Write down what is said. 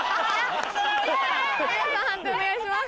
判定お願いします。